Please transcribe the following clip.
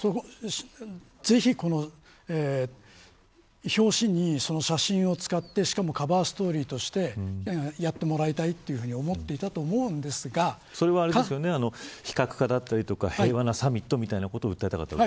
ぜひこの表紙に写真を使ってしかもカバーストーリーとしてやってもらいたいというふうに思っていたと思うんですがそれは非核化だったりとか平和なサミットみたいなことを訴えたかった。